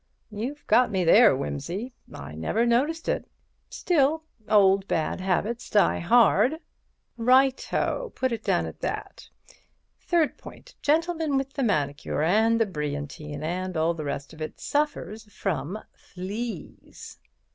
"You've got me there, Wimsey; I never noticed it. Still—old bad habits die hard." "Right oh! Put it down at that. Third point: Gentleman with the manicure and the brilliantine and all the rest of it suffers from fleas."